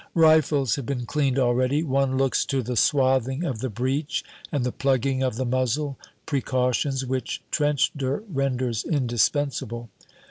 Rifles have been cleaned already. One looks to the swathing of the breech and the plugging of the muzzle, precautions which trench dirt renders indispensable.